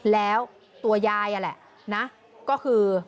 แล้วตัวยายอ่ะแหละก็คือ